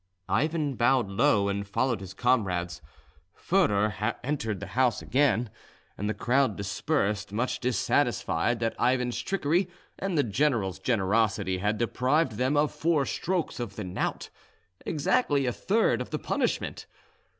Ivan bowed low and followed his comrades, Foedor entered the house again, and the crowd dispersed, much dissatisfied that Ivan's trickery and the general's generosity had deprived them of four strokes of the knout—exactly a third of the punishment.